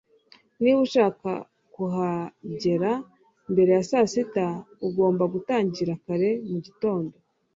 niba ushaka kuhagera mbere ya saa sita, ugomba gutangira kare mu gitondo